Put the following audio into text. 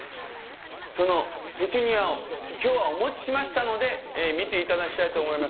そのペチュニアを今日はお持ちしましたので見て頂きたいと思います。